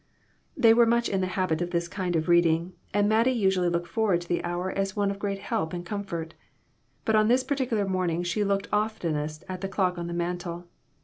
They were much in the habit of this kind of reading, and Mattie usually looked forward to the hour as one of great help and comfort. But on this particular morning she looked oftenest at the clock on the mantel.